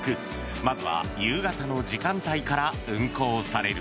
まずは夕方の時間帯から運航される。